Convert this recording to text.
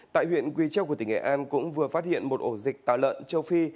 tại huyện quy châu của tỉnh nghệ an cũng vừa phát hiện một ổ dịch tả lợn châu phi